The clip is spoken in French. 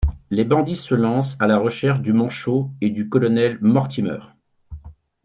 Les bandits se lancent à la recherche du Manchot et du colonel Mortimer.